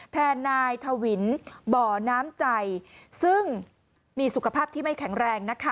แทนนายทวินบ่อน้ำใจซึ่งมีสุขภาพที่ไม่แข็งแรงนะคะ